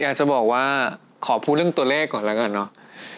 อยากจะบอกว่าขอพูดเรื่องตัวเลขก่อนแล้วกันเนอะ